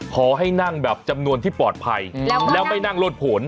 ขอให้นั่งแบบจำนวนที่ปลอดภัยแล้วไม่นั่งรถผล